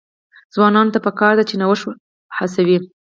ځوانانو ته پکار ده چې، نوښت هڅوي.